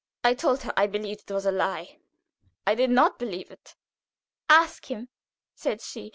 I told her I believed it was a lie. I did not believe it. "'Ask him,' said she.